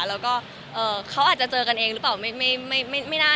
แล้วก็เขาอาจจะเจอกันเองหรือเปล่า